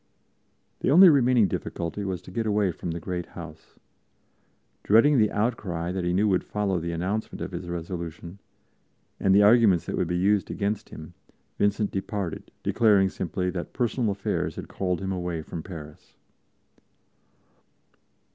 The only remaining difficulty was to get away from the great house. Dreading the outcry that he knew would follow the announcement of his resolution, and the arguments that would be used against him, Vincent departed, declaring simply that personal affairs called him away from Paris.